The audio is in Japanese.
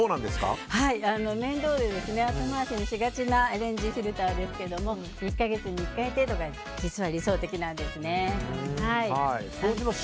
面倒で後回しにしがちなレンジフィルターですが１か月に１回程度が実は理想的なんですね。